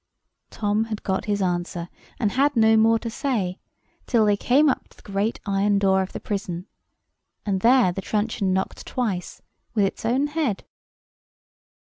Tom had got his answer, and had no more to say, till they came up to the great iron door of the prison. And there the truncheon knocked twice, with its own head.